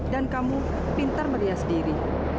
dan kamu pintar merias diri